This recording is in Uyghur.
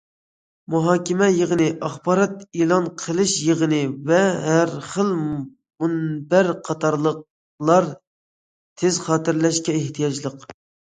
مۇھاكىمە يىغىنى، ئاخبارات ئېلان قىلىش يىغىنى ۋە ھەر خىل مۇنبەر قاتارلىقلار تېز خاتىرىلەشكە ئېھتىياجلىق.